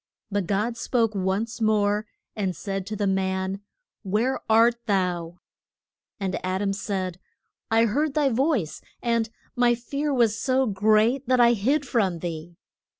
But God spoke once more, and said to the man, Where art thou? And Ad am said, I heard thy voice, and my fear was so great that I hid from thee.